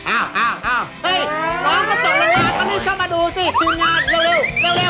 อ้าวเฮ้ยน้องก็ส่งเรือนวารินเข้ามาดูซิทีมงานเร็ว